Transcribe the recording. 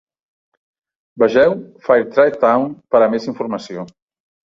Vegeu Fairtrade Town per a més informació.